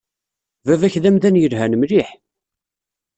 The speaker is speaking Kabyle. Baba-k d amdan yelhan mliḥ.